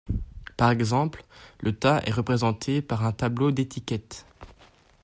Par exemple, le tas est représenté par un tableau d'étiquettes.